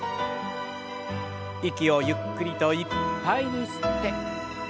息をゆっくりといっぱいに吸って。